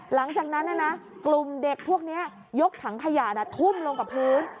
หลังจากนั้นกลุ่มเด็กพวกนี้ยกถังขยะทุ่มลงกับพื้น